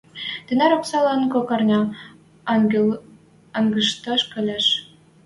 Тинӓр оксалан кок ӓрня янгышташ келеш.